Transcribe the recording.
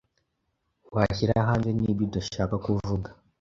washyira hanze n’ibyo udashaka kuvuga